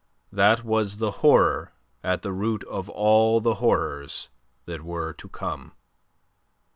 That was the horror at the root of all the horrors that were to come.